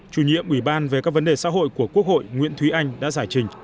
chủ nhiệm ủy ban về các vấn đề xã hội của quốc hội nguyễn thúy anh đã giải trình